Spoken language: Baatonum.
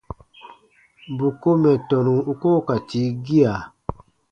Bù ko mɛ̀ tɔnu u koo ka tii gia.